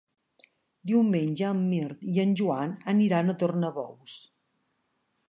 Diumenge en Mirt i en Joan aniran a Tornabous.